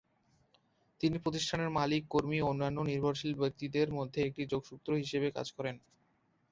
তিনি প্রতিষ্ঠানের মালিক, কর্মী ও অন্যান্য নির্ভরশীল ব্যক্তিদের মধ্যে একটি যোগসূত্র হিসেবে কাজ করেন।